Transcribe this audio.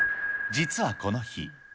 実はこの日。